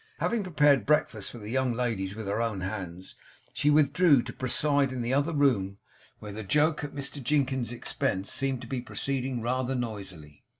Having prepared breakfast for the young ladies with her own hands, she withdrew to preside in the other room; where the joke at Mr Jinkins's expense seemed to be proceeding rather noisily.